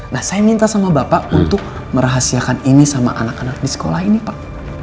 nah saya minta sama bapak untuk merahasiakan ini sama anak anak di sekolah ini pak